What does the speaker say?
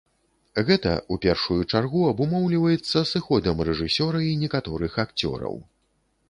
Гэта, у першую чаргу, абумоўліваецца сыходам рэжысёра і некаторых акцёраў.